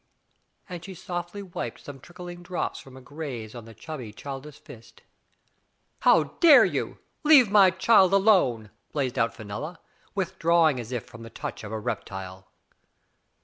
And she softly wiped some trickling drops from a graze on the chubby, childish fist. "How dare you? Leave my child alone!" blazed out Fenella, withdrawing as if from the touch of a reptile.